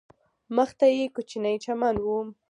مخ ته یې کوچنی چمن و.